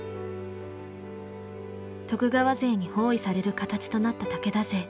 徳川勢に包囲される形となった武田勢。